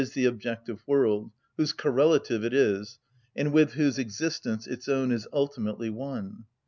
_, the objective world, whose correlative it is, and with whose existence its own is ultimately one.